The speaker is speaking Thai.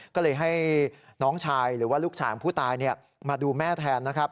ก็เลยให้น้องชายหรือลูกชายผู้ตายมาดูแม่แทน